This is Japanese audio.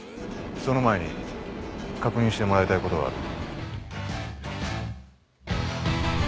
その前に確認してもらいたいことがある。